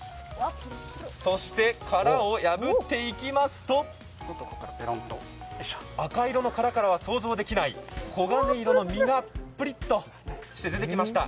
そして殻を破っていきますと赤色の殻からは想像できない黄金色の身が今、プリッとして出てきました。